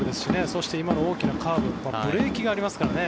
そして今の大きなカーブブレーキがありますからね。